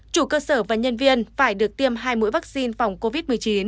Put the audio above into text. chủ cơ sở và nhân viên phải được tiêm hai mũi vaccine phòng covid một mươi chín